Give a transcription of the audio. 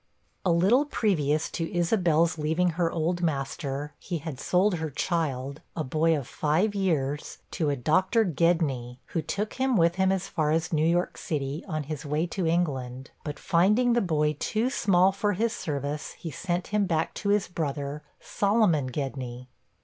A little previous to Isabel's leaving her old master, he had sold her child, a boy of five years, to a Dr. Gedney, who took him with him as far as New York city, on his way to England; but finding the boy too small for his service, he sent him back to his brother, Solomon Gedney.